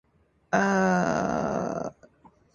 Saya tak tahu di mana.